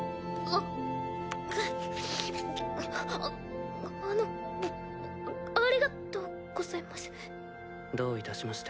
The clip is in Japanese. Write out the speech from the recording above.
ああのありがとうございます。